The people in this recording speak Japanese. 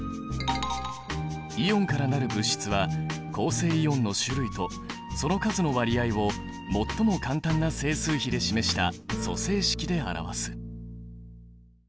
イオンから成る物質は構成イオンの種類とその数の割合を最も簡単な整数比で示した組成式で表す。